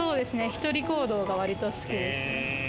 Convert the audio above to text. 一人行動が割と好きです。